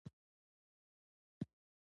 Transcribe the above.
د عارفین اخندزاده کورنۍ شمال ته راغله.